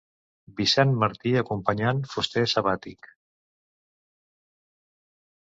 Vicent Martí acompanyant Fuster Sabàtic.